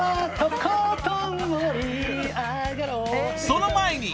［その前に］